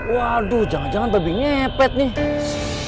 waduh jangan jangan tebing nyepet nih